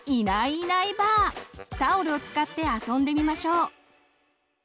タオルを使って遊んでみましょう。